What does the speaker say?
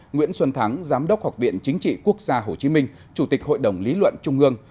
nguyễn xuân thắng giám đốc học viện chính trị quốc gia hồ chí minh chủ tịch hội đồng lý luận trung ương